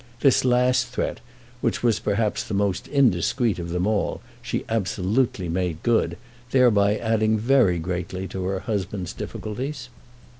This last threat, which was perhaps the most indiscreet of them all, she absolutely made good, thereby adding very greatly to her husband's difficulties.